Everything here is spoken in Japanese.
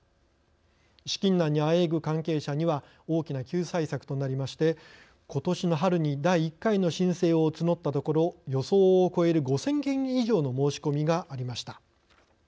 資金難にあえぐ関係者には大きな救済策となりましてことしの春に第１回の申請を募ったところ予想を超える５０００件以上の申し込みがありました。